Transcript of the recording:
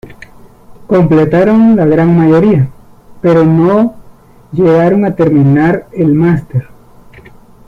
Completaron la gran mayoría, pero no llegaron a terminar el "master".